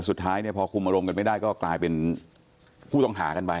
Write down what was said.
สุดท้ายเนี่ยพอคุมอารมณ์กันไม่ได้ก็กลายเป็นผู้ต้องหากันไป